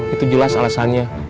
itu jelas alasannya